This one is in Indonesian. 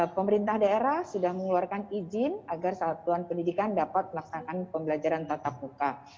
pemerintah daerah sudah mengeluarkan izin agar satuan pendidikan dapat melaksanakan pembelajaran tatap muka